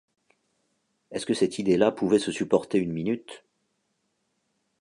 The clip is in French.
Est-ce que cette idée-là pouvait se supporter une minute ?